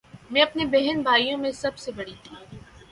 میں اپنے بہن بھائیوں میں سب سے بڑی تھی